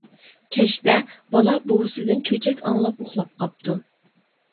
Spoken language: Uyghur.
كەچتە بالا بوۋىسىدىن چۆچەك ئاڭلاپ ئۇخلاپ قاپتۇ.